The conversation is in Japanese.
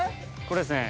これですね。